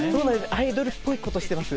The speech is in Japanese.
アイドルっぽいことしてます。